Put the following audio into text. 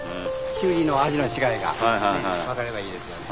キュウリの味の違いが分かればいいですよね。